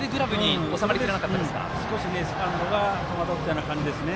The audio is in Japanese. それで少しセカンドが戸惑った感じですね。